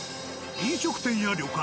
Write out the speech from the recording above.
飲食店や旅館